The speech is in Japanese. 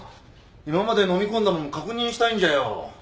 今まで飲み込んだもん確認したいんじゃよ。